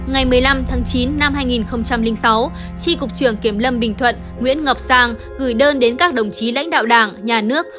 ngày một mươi năm tháng chín năm hai nghìn sáu tri cục trưởng kiểm lâm bình thuận nguyễn ngọc sang gửi đơn đến các đồng chí lãnh đạo đảng nhà nước